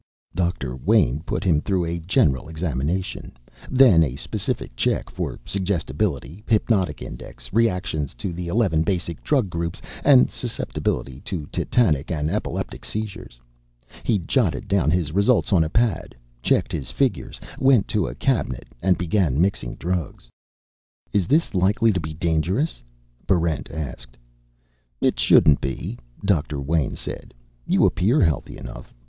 Doctor Wayn put him through a general examination, then a specific check for suggestibility, hypnotic index, reactions to the eleven basic drug groups, and susceptibility to tetanic and epileptic seizures. He jotted down his results on a pad, checked his figures, went to a cabinet, and began mixing drugs. "Is this likely to be dangerous?" Barrent asked. "It shouldn't be," Doctor Wayn said. "You appear healthy enough.